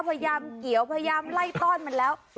พยายามเกี่ยวพยายามไล่ต้อนมันแล้ว